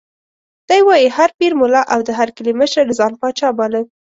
دی وایي: هر پیر، ملا او د هر کلي مشر ځان پاچا باله.